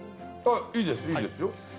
いいですいいですよ